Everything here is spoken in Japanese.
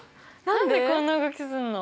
何でこんな動きすんの？